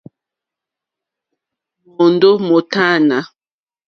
Môndó mótánà.